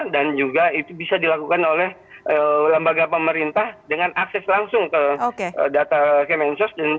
dan juga itu bisa dilakukan oleh lembaga pemerintah dengan akses langsung ke data mensos